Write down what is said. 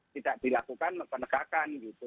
tidak dilakukan mempernegakan gitu